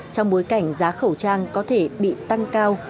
trong bối cảnh giá khẩu trang có thể bị tăng cao